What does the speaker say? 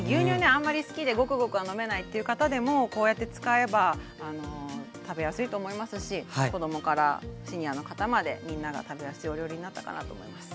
あんまり好きでゴクゴクは飲めないっていう方でもこうやって使えば食べやすいと思いますし子供からシニアの方までみんなが食べやすいお料理になったかなと思います。